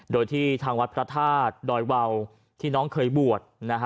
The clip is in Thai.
โดยที่ทางวัดพระธาตุดอยวาวที่น้องเคยบวช